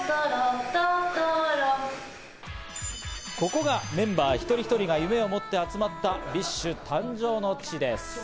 ここがメンバー１人１人が夢を持って集まったＢｉＳＨ誕生の地です。